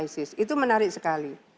itu menarik sekali